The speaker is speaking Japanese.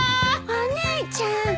お姉ちゃん。